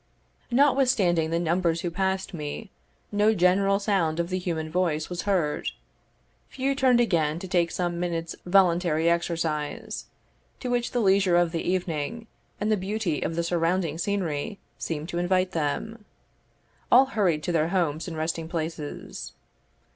Notwithstanding the numbers who passed me, no general sound of the human voice was heard; few turned again to take some minutes' voluntary exercise, to which the leisure of the evening, and the beauty of the surrounding scenery, seemed to invite them: all hurried to their homes and resting places.